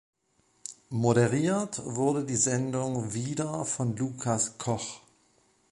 Moderiert wurde die Sendung wieder von Lukas Koch.